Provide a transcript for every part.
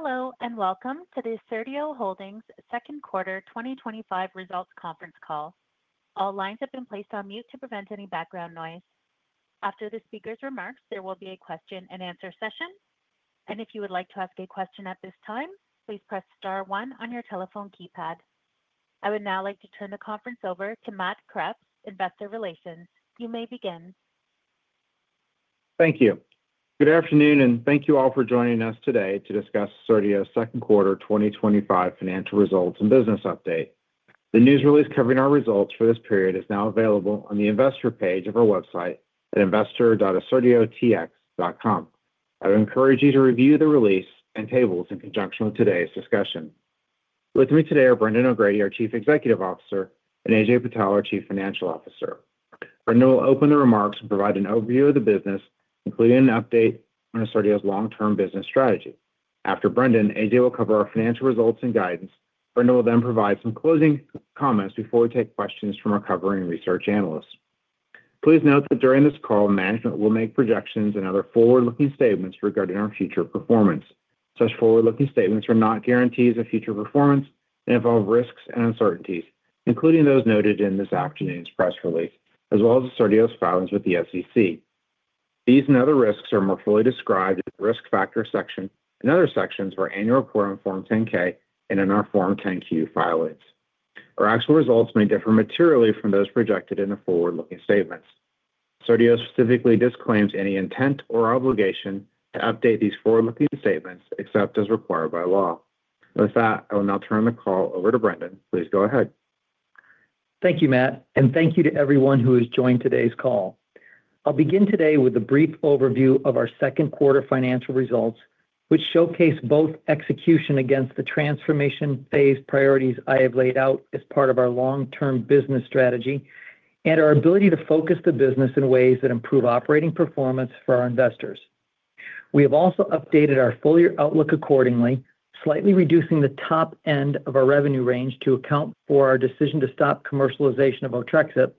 Hello and welcome to the Assertio Holdings' Second Quarter 2025 Results Conference Call. All lines have been placed on mute to prevent any background noise. After the speaker's remarks, there will be a question and answer session. If you would like to ask a question at this time, please press star one on your telephone keypad. I would now like to turn the conference over to Matt Kreps of Investor Relations. You may begin. Thank you. Good afternoon, and thank you all for joining us today to discuss Assertio Holdings' second quarter 2025 financial results and business update. The news release covering our results for this period is now available on the Investor page of our website at investor.assertiotx.com. I would encourage you to review the release and tables in conjunction with today's discussion. With me today are Brendan O'Grady, our Chief Executive Officer, and Ajay Patel, our Chief Financial Officer. Brendan will open the remarks and provide an overview of the business, including an update on Assertio's long-term business strategy. After Brendan, Ajay will cover our financial results and guidance. Brendan will then provide some closing comments before we take questions from our covering research analysts. Please note that during this call, management will make projections and other forward-looking statements regarding our future performance. Such forward-looking statements are not guarantees of future performance and involve risks and uncertainties, including those noted in this afternoon's press release, as well as Assertio's filings with the SEC. These and other risks are more fully described in the Risk Factors section and other sections of our Annual Reporting Form 10-K and in our Form 10-Q filings. Our actual results may differ materially from those projected in the forward-looking statements. Assertio specifically disclaims any intent or obligation to update these forward-looking statements except as required by law. With that, I will now turn the call over to Brendan. Please go ahead. Thank you, Matt, and thank you to everyone who has joined today's call. I'll begin today with a brief overview of our second quarter financial results, which showcase both execution against the transformation-based priorities I have laid out as part of our long-term business strategy and our ability to focus the business in ways that improve operating performance for our investors. We have also updated our full-year outlook accordingly, slightly reducing the top end of our revenue range to account for our decision to stop commercialization of Otrexup,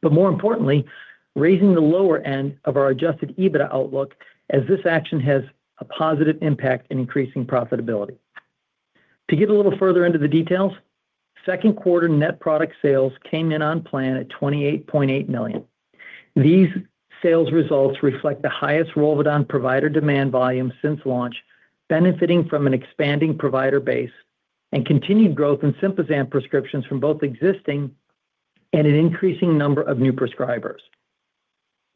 but more importantly, raising the lower end of our adjusted EBITDA outlook as this action has a positive impact in increasing profitability. To get a little further into the details, second quarter net product sales came in on plan at $28.8 million. These sales results reflect the highest ROLVEDON provider demand volume since launch, benefiting from an expanding provider base and continued growth in SYMPAZAN prescriptions from both existing and an increasing number of new prescribers.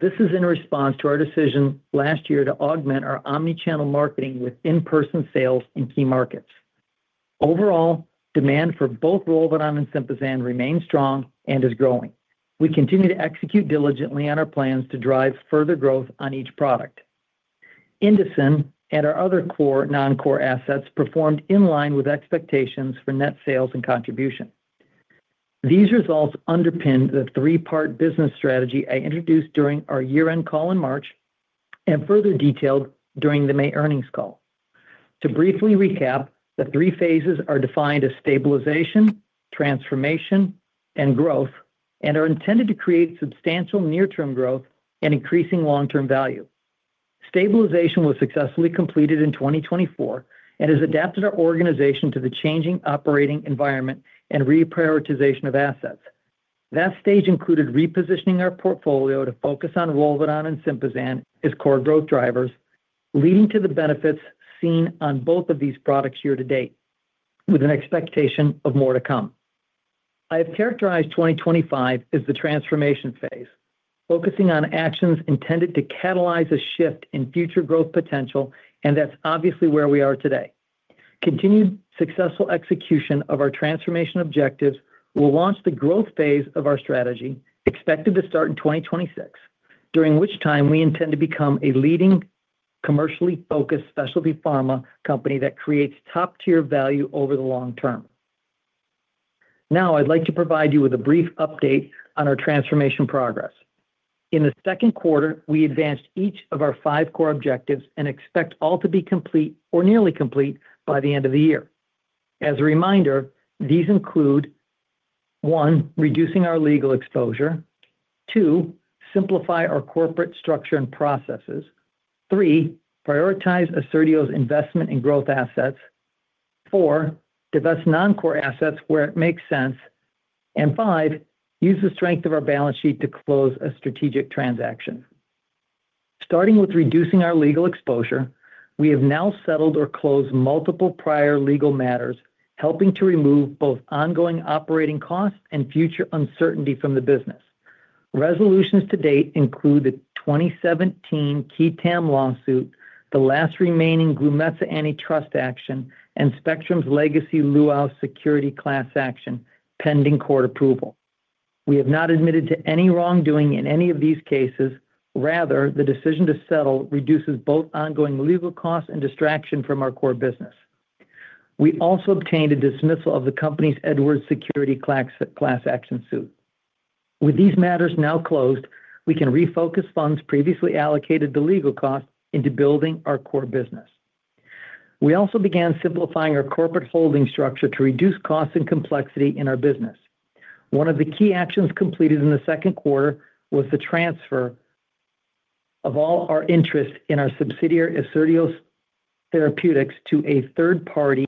This is in response to our decision last year to augment our omnichannel marketing with in-person sales in key markets. Overall, demand for both ROLVEDON and SYMPAZAN remains strong and is growing. We continue to execute diligently on our plans to drive further growth on each product. INDOCIN and our other non-core assets performed in line with expectations for net sales and contribution. These results underpin the three-part business strategy I introduced during our year-end call in March and further detailed during the May earnings call. To briefly recap, the three phases are defined as stabilization, transformation, and growth and are intended to create substantial near-term growth and increasing long-term value. Stabilization was successfully completed in 2024 and has adapted our organization to the changing operating environment and reprioritization of assets. That stage included repositioning our portfolio to focus on ROLVEDON and SYMPAZAN as core growth drivers, leading to the benefits seen on both of these products year to date, with an expectation of more to come. I have characterized 2025 as the transformation phase, focusing on actions intended to catalyze a shift in future growth potential, and that's obviously where we are today. Continued successful execution of our transformation objectives will launch the growth phase of our strategy, expected to start in 2026, during which time we intend to become a leading commercially focused specialty pharma company that creates top-tier value over the long term. Now, I'd like to provide you with a brief update on our transformation progress. In the second quarter, we advanced each of our five core objectives and expect all to be complete or nearly complete by the end of the year. As a reminder, these include: one, reducing our legal exposure; two, simplify our corporate structure and processes; three, prioritize Assertio's investment in growth assets; four, divest non-core assets where it makes sense; and five, use the strength of our balance sheet to close a strategic transaction. Starting with reducing our legal exposure, we have now settled or closed multiple prior legal matters, helping to remove both ongoing operating costs and future uncertainty from the business. Resolutions to date include the 2017 qui tam lawsuit, the last remaining Glumetza Antitrust Action, and Spectrum's Legacy Luau Security Class Action, pending court approval. We have not admitted to any wrongdoing in any of these cases; rather, the decision to settle reduces both ongoing legal costs and distraction from our core business. We also obtained a dismissal of the company's Edwards Security Class Action suit. With these matters now closed, we can refocus funds previously allocated to legal costs into building our core business. We also began simplifying our corporate holding structure to reduce costs and complexity in our business. One of the key actions completed in the second quarter was the transfer of all our interest in our subsidiary Assertio Therapeutics to a third party,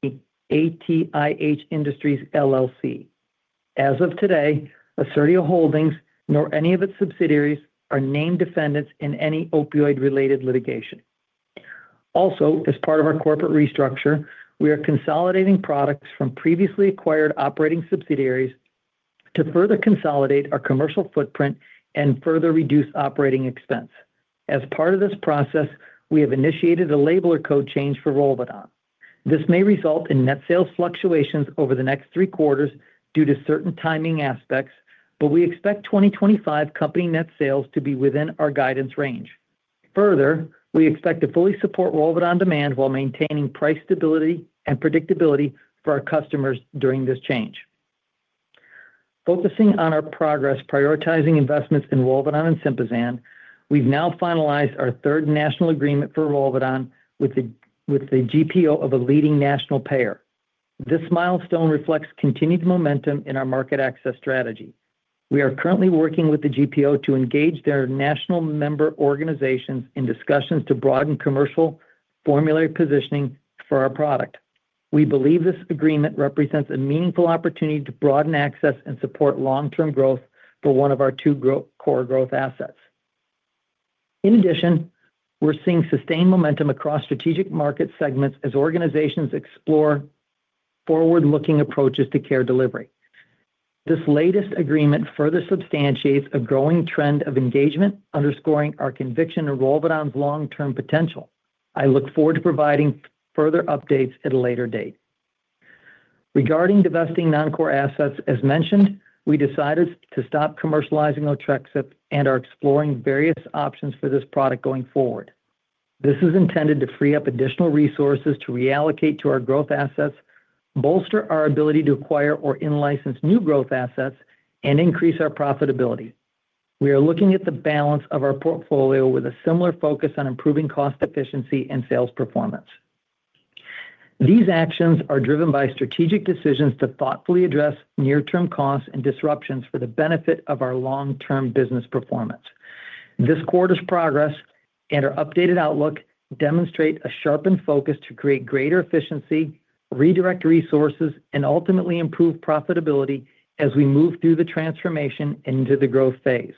ATIH Industries LLC. As of today, Assertio Holdings, nor any of its subsidiaries, are named defendants in any opioid-related litigation. Also, as part of our corporate restructure, we are consolidating products from previously acquired operating subsidiaries to further consolidate our commercial footprint and further reduce operating expense. As part of this process, we have initiated a labeler code change for ROLVEDON. This may result in net sales fluctuations over the next three quarters due to certain timing aspects, but we expect 2025 company net sales to be within our guidance range. Further, we expect to fully support ROLVEDON demand while maintaining price stability and predictability for our customers during this change. Focusing on our progress prioritizing investments in ROLVEDON and SYMPAZAN, we've now finalized our third national agreement for ROLVEDON with the GPO of a leading national payer. This milestone reflects continued momentum in our market access strategy. We are currently working with the GPO to engage their national member organizations in discussions to broaden commercial formulary positioning for our product. We believe this agreement represents a meaningful opportunity to broaden access and support long-term growth for one of our two core growth assets. In addition, we're seeing sustained momentum across strategic market segments as organizations explore forward-looking approaches to care delivery. This latest agreement further substantiates a growing trend of engagement, underscoring our conviction in ROLVEDON's long-term potential. I look forward to providing further updates at a later date. Regarding divesting non-core assets, as mentioned, we decided to stop commercializing Otrexup and are exploring various options for this product going forward. This is intended to free up additional resources to reallocate to our growth assets, bolster our ability to acquire or in-license new growth assets, and increase our profitability. We are looking at the balance of our portfolio with a similar focus on improving cost efficiency and sales performance. These actions are driven by strategic decisions to thoughtfully address near-term costs and disruptions for the benefit of our long-term business performance. This quarter's progress and our updated outlook demonstrate a sharpened focus to create greater efficiency, redirect resources, and ultimately improve profitability as we move through the transformation and into the growth phase.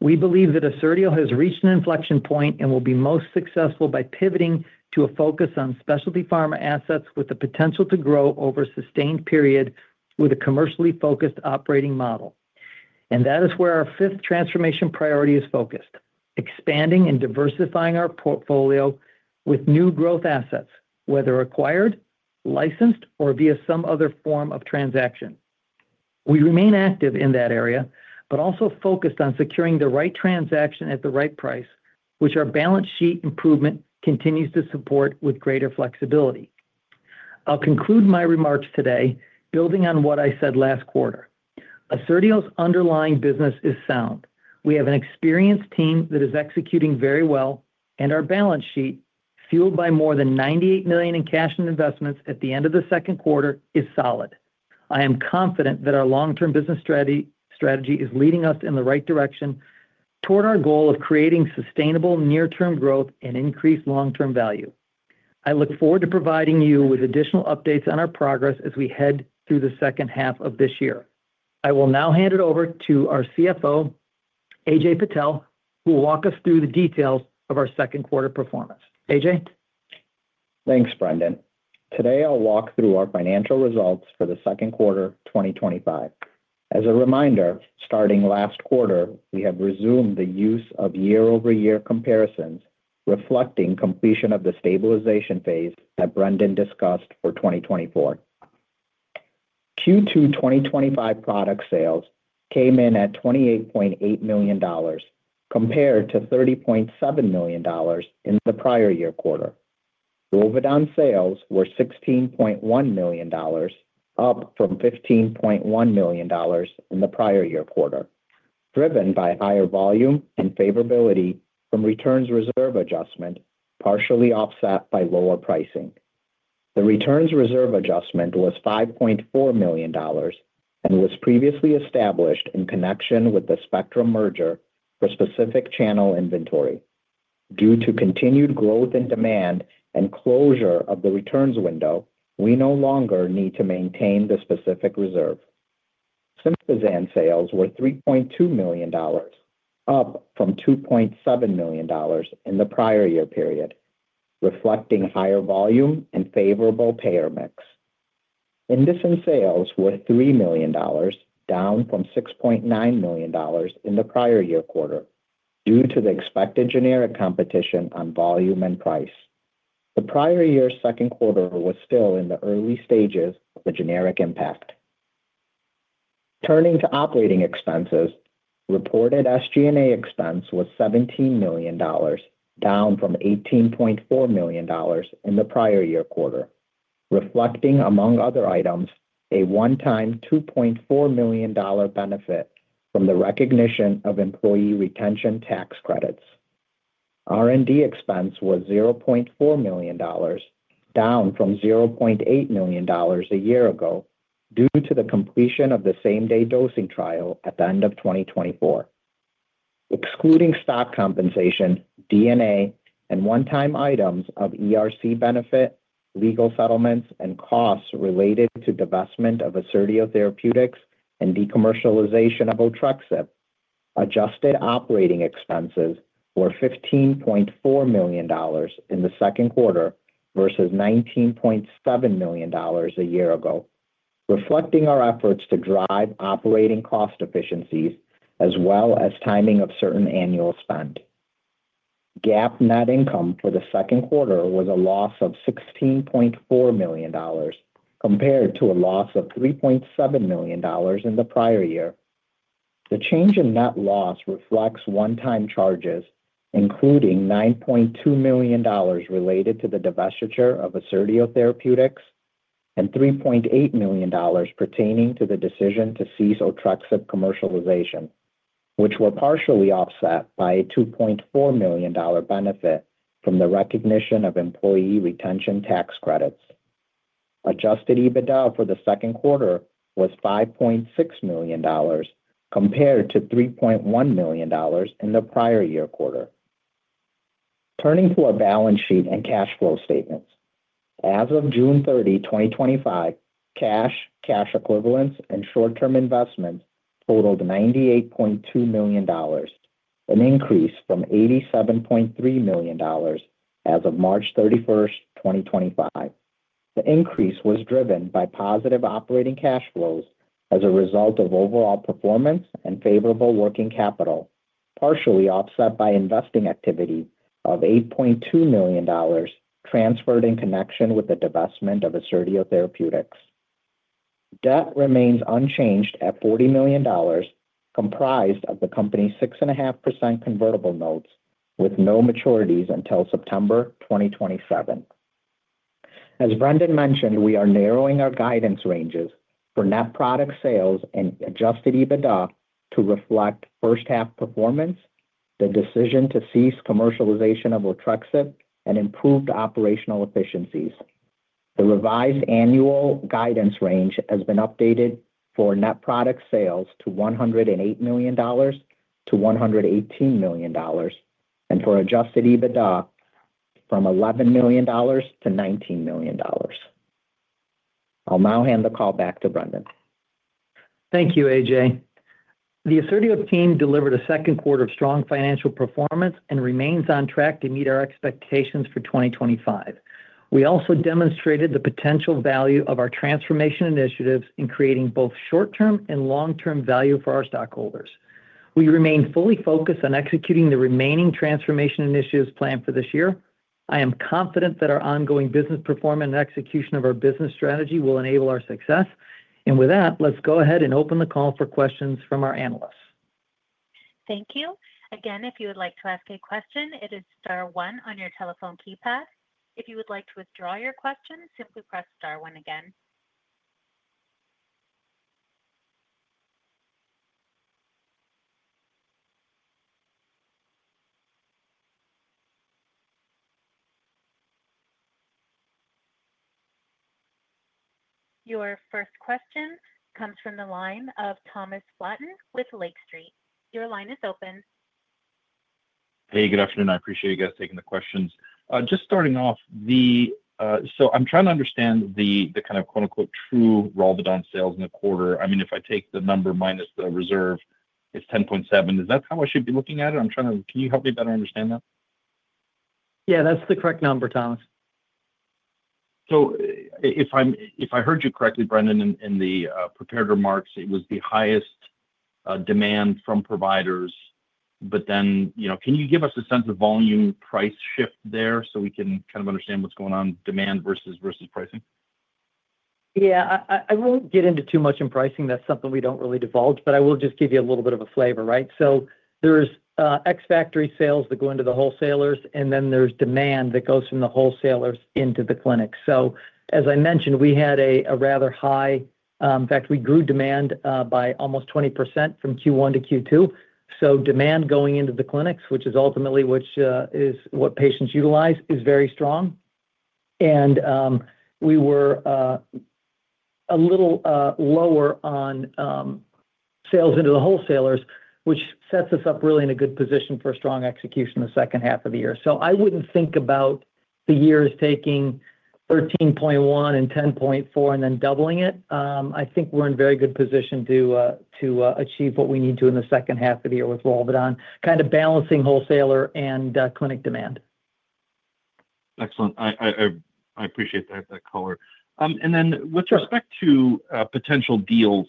We believe that Assertio has reached an inflection point and will be most successful by pivoting to a focus on specialty pharma assets with the potential to grow over a sustained period with a commercially focused operating model. That is where our fifth transformation priority is focused: expanding and diversifying our portfolio with new growth assets, whether acquired, licensed, or via some other form of transaction. We remain active in that area, but also focused on securing the right transaction at the right price, which our balance sheet improvement continues to support with greater flexibility. I'll conclude my remarks today, building on what I said last quarter. Assertio's underlying business is sound. We have an experienced team that is executing very well, and our balance sheet, fueled by more than $98 million in cash and investments at the end of the second quarter, is solid. I am confident that our long-term business strategy is leading us in the right direction toward our goal of creating sustainable near-term growth and increased long-term value. I look forward to providing you with additional updates on our progress as we head through the second half of this year. I will now hand it over to our CFO, Ajay Patel, who will walk us through the details of our second quarter performance. Ajay? Thanks, Brendan. Today, I'll walk through our financial results for the second quarter 2025. As a reminder, starting last quarter, we have resumed the use of year-over-year comparisons, reflecting completion of the stabilization phase that Brendan discussed for 2024. Q2 2025 product sales came in at $28.8 million, compared to $30.7 million in the prior year quarter. ROLVEDON sales were $16.1 million, up from $15.1 million in the prior year quarter, driven by higher volume and favorability from returns reserve adjustment, partially offset by lower pricing. The returns reserve adjustment was $5.4 million and was previously established in connection with the Spectrum merger for specific channel inventory. Due to continued growth in demand and closure of the returns window, we no longer need to maintain the specific reserve. SYMPAZAN sales were $3.2 million, up from $2.7 million in the prior year period, reflecting higher volume and favorable payer mix. INDOCIN sales were $3 million, down from $6.9 million in the prior year quarter, due to the expected generic competition on volume and price. The prior year's second quarter was still in the early stages of the generic impact. Turning to operating expenses, reported SG&A expense was $17 million, down from $18.4 million in the prior year quarter, reflecting, among other items, a one-time $2.4 million benefit from the recognition of employee retention tax credits. R&D expense was $0.4 million, down from $0.8 million a year ago due to the completion of the same-day dosing trial at the end of 2024. Excluding stock compensation, D&A, and one-time items of ERC benefit, legal settlements, and costs related to divestment of Assertio Therapeutics and decommercialization of Otrexup, adjusted operating expenses were $15.4 million in the second quarter versus $19.7 million a year ago, reflecting our efforts to drive operating cost efficiencies as well as timing of certain annual spend. GAAP net income for the second quarter was a loss of $16.4 million compared to a loss of $3.7 million in the prior year. The change in net loss reflects one-time charges, including $9.2 million related to the divestiture of Assertio Therapeutics and $3.8 million pertaining to the decision to cease Otrexup commercialization, which were partially offset by a $2.4 million benefit from the recognition of employee retention tax credits. Adjusted EBITDA for the second quarter was $5.6 million compared to $3.1 million in the prior year quarter. Turning to our balance sheet and cash flow statements. As of June 30, 2025, cash, cash equivalents, and short-term investments totaled $98.2 million, an increase from $87.3 million as of March 31, 2025. The increase was driven by positive operating cash flows as a result of overall performance and favorable working capital, partially offset by investing activity of $8.2 million transferred in connection with the divestment of Assertio Therapeutics. Debt remains unchanged at $40 million, comprised of the company's 6.5% convertible notes with no maturities until September 2027. As Brendan mentioned, we are narrowing our guidance ranges for net product sales and adjusted EBITDA to reflect first-half performance, the decision to cease commercialization of Otrexup, and improved operational efficiencies. The revised annual guidance range has been updated for net product sales to $108 million-$118 million and for adjusted EBITDA from $11 million to $19 million. I'll now hand the call back to Brendan. Thank you, Ajay. The Assertio team delivered a second quarter of strong financial performance and remains on track to meet our expectations for 2025. We also demonstrated the potential value of our transformation initiatives in creating both short-term and long-term value for our stockholders. We remain fully focused on executing the remaining transformation initiatives planned for this year. I am confident that our ongoing business performance and execution of our business strategy will enable our success. Let's go ahead and open the call for questions from our analysts. Thank you. Again, if you would like to ask a question, it is star one on your telephone keypad. If you would like to withdraw your question, simply press star one again. Your first question comes from the line of Thomas Flaten with Lake Street. Your line is open. Hey, good afternoon. I appreciate you guys taking the questions. Just starting off, I'm trying to understand the kind of quote-unquote "true" ROLVEDON sales in the quarter. I mean, if I take the number minus the reserve, it's $10.7 million. Is that how I should be looking at it? I'm trying to, can you help me better understand that? Yeah, that's the correct number, Thomas. If I heard you correctly, Brendan, in the prepared remarks, it was the highest demand from providers. Can you give us a sense of volume price shift there so we can kind of understand what's going on, demand versus pricing? Yeah, I won't get into too much in pricing. That's something we don't really divulge, but I will just give you a little bit of a flavor, right? There are X factory sales that go into the wholesalers, and then there's demand that goes from the wholesalers into the clinics. As I mentioned, we had a rather high, in fact, we grew demand by almost 20% from Q1 to Q2. Demand going into the clinics, which is ultimately what patients utilize, is very strong. We were a little lower on sales into the wholesalers, which sets us up really in a good position for a strong execution in the second half of the year. I wouldn't think about the years taking $13.1 million and $10.4 million and then doubling it. I think we're in a very good position to achieve what we need to in the second half of the year with ROLVEDON, kind of balancing wholesaler and clinic demand. Excellent. I appreciate that color. With respect to potential deals,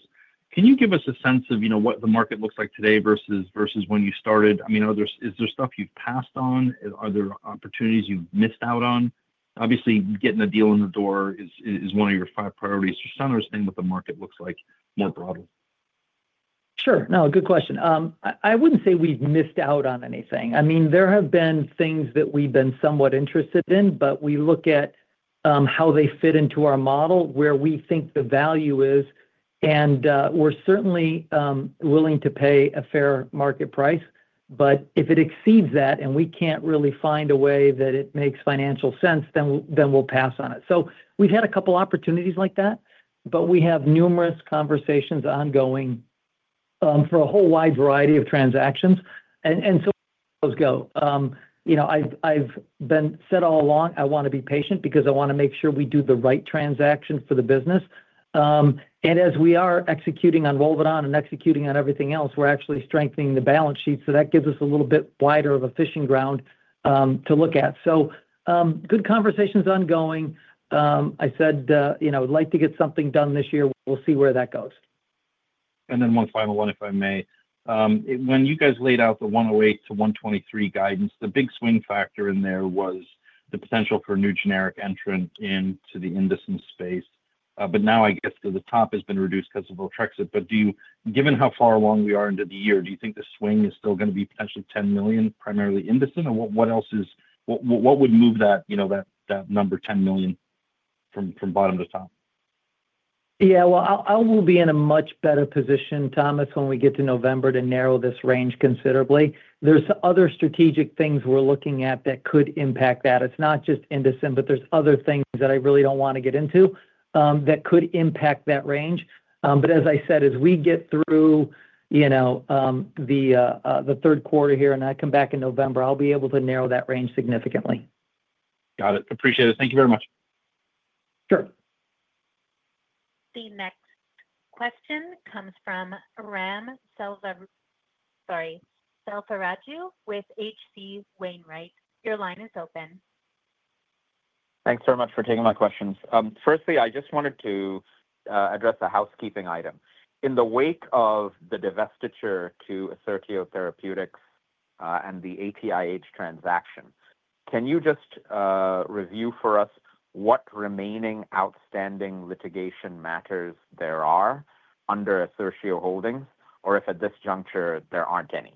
can you give us a sense of what the market looks like today versus when you started? Is there stuff you've passed on? Are there opportunities you've missed out on? Obviously, getting a deal in the door is one of your five priorities. Just trying to understand what the market looks like more broadly. Sure. No, a good question. I wouldn't say we've missed out on anything. I mean, there have been things that we've been somewhat interested in, but we look at how they fit into our model, where we think the value is, and we're certainly willing to pay a fair market price. If it exceeds that and we can't really find a way that it makes financial sense, then we'll pass on it. We've had a couple of opportunities like that, but we have numerous conversations ongoing for a whole wide variety of transactions. I've said all along, I want to be patient because I want to make sure we do the right transaction for the business. As we are executing on ROLVEDON and executing on everything else, we're actually strengthening the balance sheet. That gives us a little bit wider of a fishing ground to look at. Good conversations ongoing. I said, you know, I'd like to get something done this year. We'll see where that goes. One final one, if I may. When you guys laid out the $108 million-$123 million guidance, the big swing factor in there was the potential for a new generic entrant into the INDOCIN space. I guess the top has been reduced because of Otrexup. Given how far along we are into the year, do you think the swing is still going to be potentially $10 million, primarily INDOCIN? What else would move that number, $10 million from bottom to top? I will be in a much better position, Thomas, when we get to November to narrow this range considerably. There are other strategic things we're looking at that could impact that. It's not just INDOCIN, but there are other things that I really don't want to get into that could impact that range. As I said, as we get through the third quarter here and I come back in November, I'll be able to narrow that range significantly. Got it. Appreciate it. Thank you very much. Sure. The next question comes from Raghuram Selvaraju with H.C. Wainwright. Your line is open. Thanks very much for taking my questions. Firstly, I just wanted to address a housekeeping item. In the wake of the divestiture to Assertio Therapeutics and the ATIH transactions, can you just review for us what remaining outstanding litigation matters there are under Assertio Holdings, or if at this juncture there aren't any?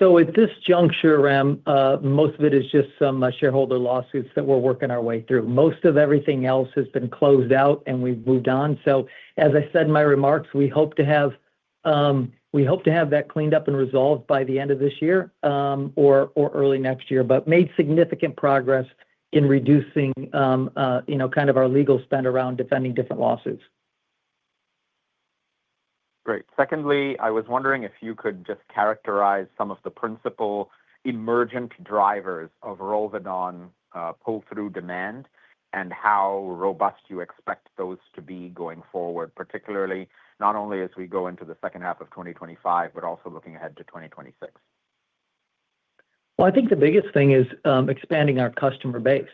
At this juncture, Ram, most of it is just some shareholder lawsuits that we're working our way through. Most of everything else has been closed out and we've moved on. As I said in my remarks, we hope to have that cleaned up and resolved by the end of this year or early next year, but made significant progress in reducing, you know, kind of our legal spend around defending different lawsuits. Great. Secondly, I was wondering if you could just characterize some of the principal emergent drivers of ROLVEDON pull-through demand and how robust you expect those to be going forward, particularly not only as we go into the second half of 2025, but also looking ahead to 2026. I think the biggest thing is expanding our customer base.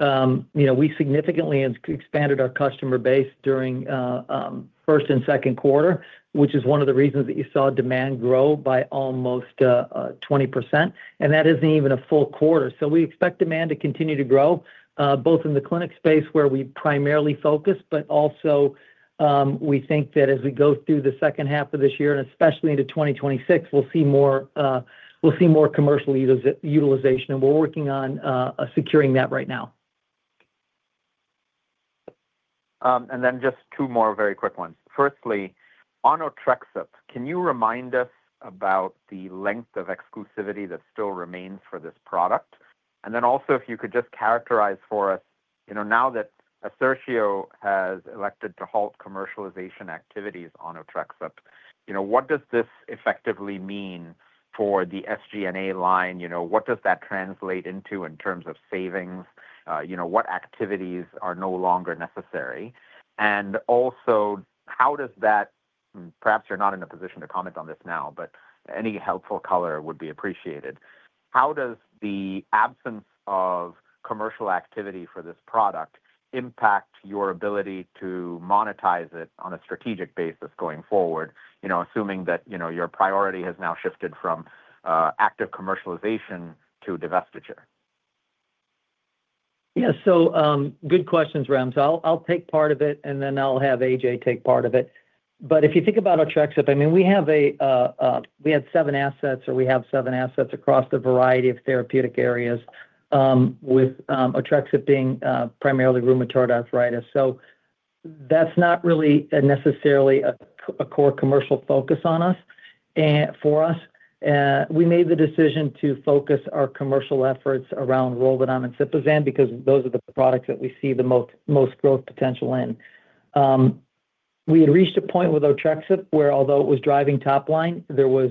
You know, we significantly expanded our customer base during the first and second quarter, which is one of the reasons that you saw demand grow by almost 20%. That isn't even a full quarter. We expect demand to continue to grow, both in the clinic space where we primarily focus, but also we think that as we go through the second half of this year and especially into 2026, we'll see more commercial utilization, and we're working on securing that right now. Just two more very quick ones. Firstly, on Otrexup, can you remind us about the length of exclusivity that still remains for this product? Also, if you could just characterize for us, now that Assertio has elected to halt commercialization activities on Otrexup, what does this effectively mean for the SG&A line? What does that translate into in terms of savings? What activities are no longer necessary? Also, perhaps you're not in a position to comment on this now, but any helpful color would be appreciated. How does the absence of commercial activity for this product impact your ability to monetize it on a strategic basis going forward, assuming that your priority has now shifted from active commercialization to divestiture? Yeah, good questions, Ram. I'll take part of it, and then I'll have Ajay take part of it. If you think about Otrexup, we have seven assets across a variety of therapeutic areas, with Otrexup being primarily rheumatoid arthritis. That's not really necessarily a core commercial focus for us. We made the decision to focus our commercial efforts around ROLVEDON and SYMPAZAN because those are the products that we see the most growth potential in. We had reached a point with Otrexup where, although it was driving top line, there was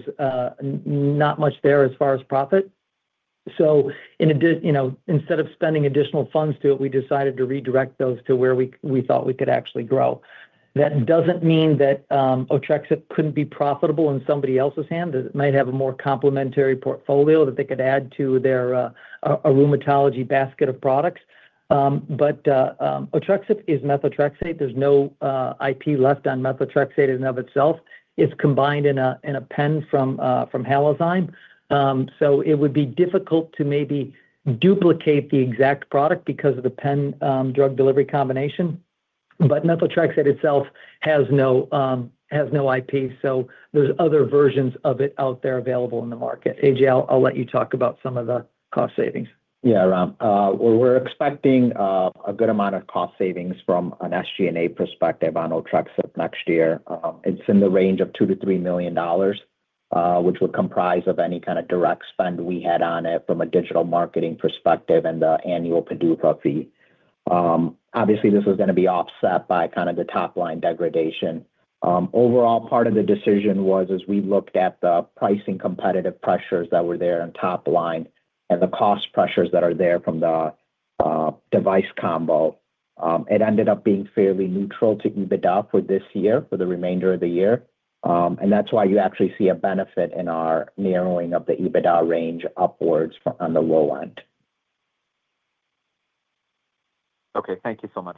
not much there as far as profit. Instead of spending additional funds on it, we decided to redirect those to where we thought we could actually grow. That doesn't mean that Otrexup couldn't be profitable in somebody else's hands. It might have a more complementary portfolio that they could add to their rheumatology basket of products. Otrexup is methotrexate. There's no IP left on methotrexate in and of itself. It's combined in a pen from Halozyme. It would be difficult to maybe duplicate the exact product because of the pen-drug delivery combination, but methotrexate itself has no IP, so there are other versions of it out there available in the market. Ajay, I'll let you talk about some of the cost savings. Yeah, Ram. We're expecting a good amount of cost savings from an SG&A perspective on Otrexup next year. It's in the range of $2 to $3 million, which would comprise any kind of direct spend we had on it from a digital marketing perspective and the annual PDUFA fee. Obviously, this is going to be offset by the top line degradation. Overall, part of the decision was as we looked at the pricing competitive pressures that were there on top line and the cost pressures that are there from the device combo, it ended up being fairly neutral to EBITDA for this year, for the remainder of the year. That's why you actually see a benefit in our narrowing of the EBITDA range upwards on the low end. Okay, thank you so much.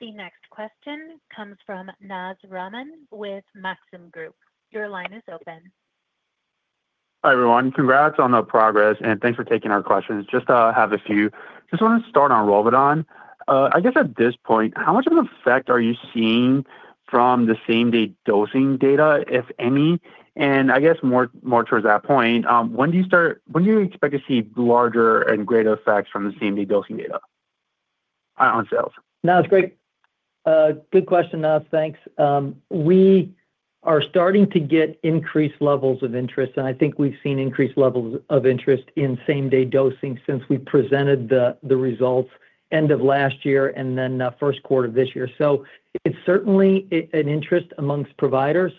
The next question comes from Naz Rahman with Maxim Group. Your line is open. Hi, everyone. Congrats on the progress and thanks for taking our questions. Just have a few, just want to start on ROLVEDON. At this point, how much of an effect are you seeing from the same-day dosing data, if any? More towards that point, when do you expect to see larger and greater effects from the same-day dosing data on sales? Nas, great. Good question, Nas. Thanks. We are starting to get increased levels of interest, and I think we've seen increased levels of interest in same-day dosing since we presented the results end of last year and then the first quarter of this year. It is certainly an interest amongst providers.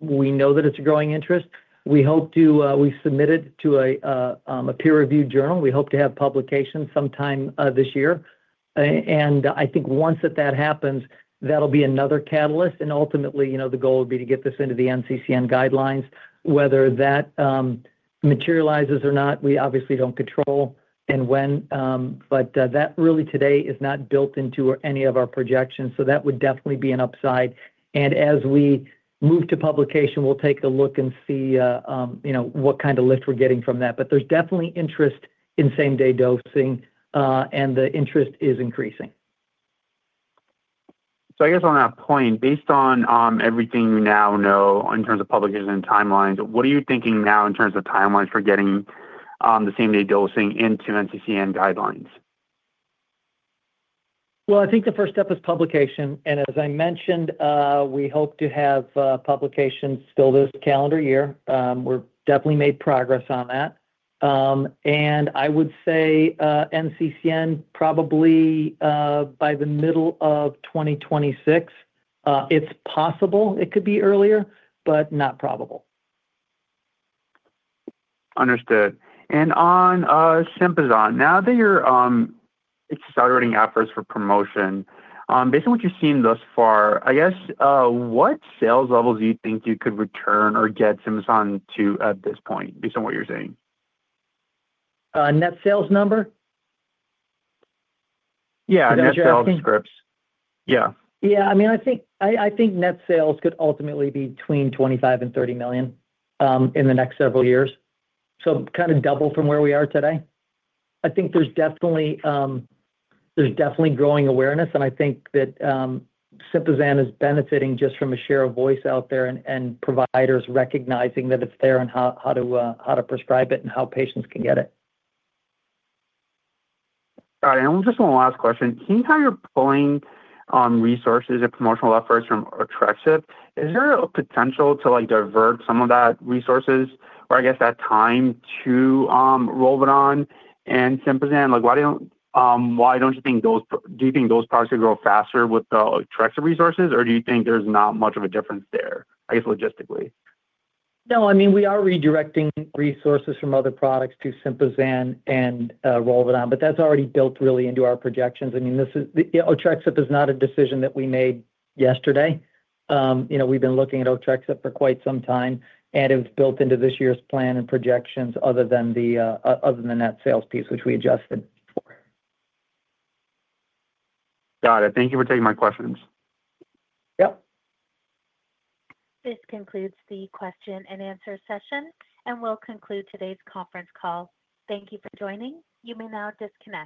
We know that it's a growing interest. We hope to, we've submitted to a peer-reviewed journal. We hope to have publication sometime this year. I think once that happens, that'll be another catalyst. Ultimately, you know, the goal would be to get this into the NCCN guidelines. Whether that materializes or not, we obviously don't control and when. That really today is not built into any of our projections. That would definitely be an upside. As we move to publication, we'll take a look and see, you know, what kind of lift we're getting from that. There is definitely interest in same-day dosing, and the interest is increasing. I guess on that point, based on everything you now know in terms of publications and timelines, what are you thinking now in terms of timelines for getting the same-day dosing into NCCN guidelines? I think the first step is publication. As I mentioned, we hope to have publication still this calendar year. We've definitely made progress on that. I would say NCCN probably by the middle of 2026. It's possible it could be earlier, but not probable. Understood. On SYMPAZAN, now that you're accelerating efforts for promotion, based on what you've seen thus far, what sales levels do you think you could return or get SYMPAZAN to at this point, based on what you're saying? Net sales number? Yeah, I know you're asking scripts. Yeah, I mean, I think net product sales could ultimately be between $25 million and $30 million in the next several years, kind of double from where we are today. I think there's definitely growing awareness, and I think that SYMPAZAN is benefiting just from a share of voice out there and providers recognizing that it's there and how to prescribe it and how patients can get it. All right. Just one last question. Seeing how you're pulling on resources and promotional efforts from Otrexup, is there a potential to divert some of those resources or that time to ROLVEDON and SYMPAZAN? Do you think those products could grow faster with the Otrexup resources, or do you think there's not much of a difference there logistically? No, I mean, we are redirecting resources from other products to SYMPAZAN and ROLVEDON, but that's already built really into our projections. I mean, this is the Otrexup is not a decision that we made yesterday. You know, we've been looking at Otrexup for quite some time, and it was built into this year's plan and projections other than the net product sales piece, which we adjusted. Got it. Thank you for taking my questions. Yep. This concludes the question and answer session, and we'll conclude today's conference call. Thank you for joining. You may now disconnect.